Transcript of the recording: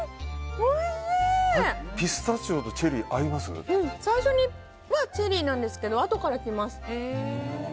ピスタチオとチェリー最初はチェリーなんですけどあとからきます。